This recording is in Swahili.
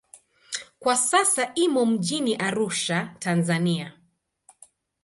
Kwa sasa imo mjini Arusha, Tanzania.